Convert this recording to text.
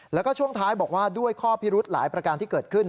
แล้วก็ช่วงท้ายบอกว่าด้วยข้อพิรุธหลายประการที่เกิดขึ้น